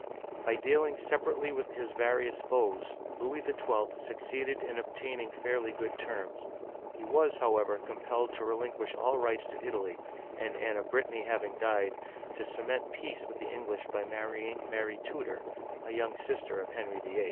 By dealing separately with his various foes, Louis XII. succeeded in obtaining fairly good terms. He was, how ever, compelled to relinquish all rights to Italy, and Anne of Brittany having died, to cement peace with the English by marrying Mary Tudor, a young sister of Henry VIII.